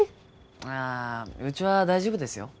ああうちは大丈夫ですよ。